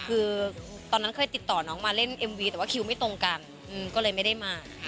คือตอนนั้นเคยติดต่อน้องมาเล่นเอ็มวีแต่ว่าคิวไม่ตรงกันก็เลยไม่ได้มา